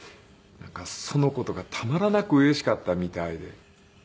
その事がたまらなくうれしかったみたいで。